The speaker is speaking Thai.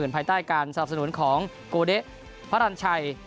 ภายใต้การสนับสนุนของโกเดะพระรันชัย